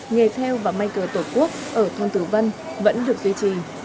nghề theo và may cờ tổ quốc ở thôn tử vân vẫn được duy trì